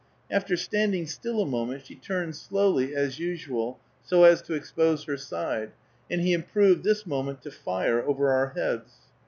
After standing still a moment, she turned slowly, as usual, so as to expose her side, and he improved this moment to fire, over our heads.